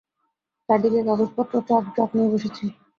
চারদিকে কাগজপত্র, chart, graph নিয়ে বসেছি।